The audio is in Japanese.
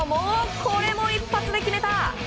これも一発で決めた！